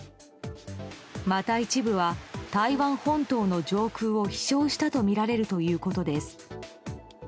また一部は台湾本当の上空を飛翔したとみられるということです。